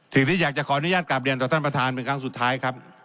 สิ่งที่อยากจะขออนุญาตกลับเรียนต่อท่านประธานเป็นครั้งสุดท้ายครับ